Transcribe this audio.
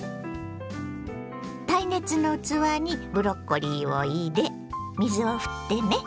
耐熱の器にブロッコリーを入れ水をふってね。